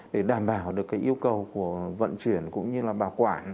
để đảm bảo được cái yêu cầu của vận chuyển cũng như là bảo quản